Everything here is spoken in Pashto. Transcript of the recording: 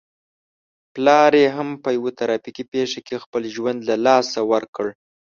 پلار يې هم په يوه ترافيکي پېښه کې خپل ژوند له لاسه ور کړ.